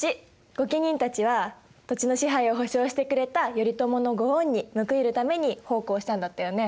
御家人たちは土地の支配を保証してくれた頼朝の御恩に報いるために奉公したんだったよね。